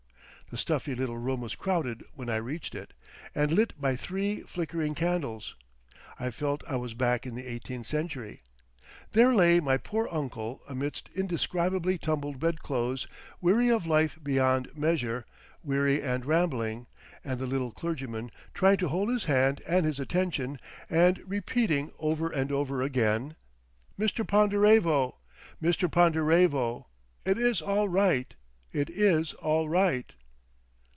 The stuffy little room was crowded when I reached it, and lit by three flickering candles. I felt I was back in the eighteenth century. There lay my poor uncle amidst indescribably tumbled bedclothes, weary of life beyond measure, weary and rambling, and the little clergyman trying to hold his hand and his attention, and repeating over and over again: "Mr. Ponderevo, Mr. Ponderevo, it is all right. It is all right.